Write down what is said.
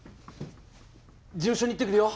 事務所に行ってくるよ。